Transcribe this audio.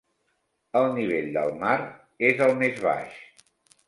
El nivell del mar és el més baix.